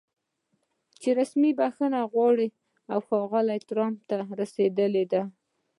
چې رسمي بښنه وغواړي او ښاغلي ټرمپ ته د رسېدلي